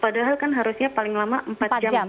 padahal kan harusnya paling lama empat jam empat jam